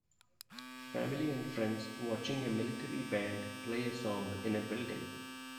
Family and friends watching a military band play a song in a building